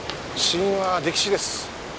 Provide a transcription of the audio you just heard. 死因は溺死です。